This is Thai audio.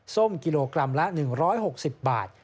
ส้มกิโลกรัมละ๑๖๐บาท